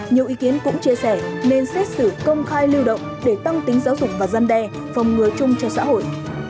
nhiều ý kiến cũng chia sẻ nên xét xử công khai lưu động để tăng tính giáo dục và gian đe phòng ngừa chung cho xã hội